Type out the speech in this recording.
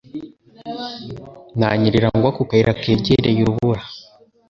Nanyerera ngwa ku kayira kegereye urubura.